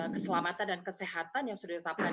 keselamatan dan kesehatan yang sudah ditetapkan